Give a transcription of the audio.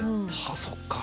あっそっか。